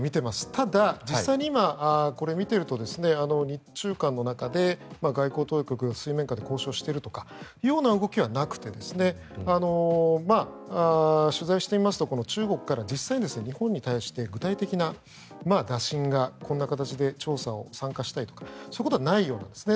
ただ、実際に今これを見ていると日中間の中で外交当局が水面下で交渉しているとかいうような動きはなくて取材してみますと中国から実際に日本に対して具体的な打診がこんな形で調査に参加したいとかそういうことはないようなんですね。